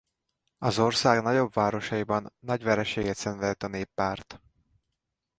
Az ország nagyobb városaiban nagy vereséget szenvedett a Néppárt.